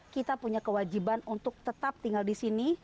kita punya kewajiban untuk tetap tinggal di sini